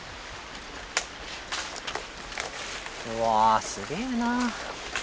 うわすげえな。